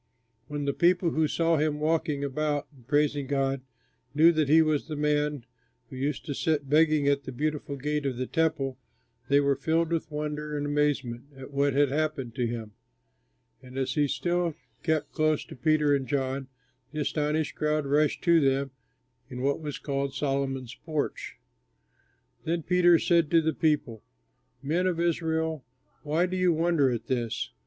When the people who saw him walking about and praising God knew that he was the man who used to sit begging at the Beautiful Gate of the Temple, they were filled with wonder and amazement at what had happened to him; and as he still kept close to Peter and John, the astonished crowd rushed to them in what was called Solomon's Porch. Then Peter said to the people: "Men of Israel, why do you wonder at this?